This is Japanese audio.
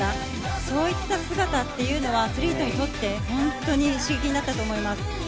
そういった姿はアスリートにとって本当に刺激になったと思います。